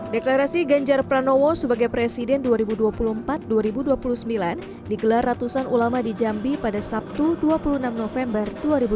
deklarasi ganjar pranowo sebagai presiden dua ribu dua puluh empat dua ribu dua puluh sembilan digelar ratusan ulama di jambi pada sabtu dua puluh enam november dua ribu dua puluh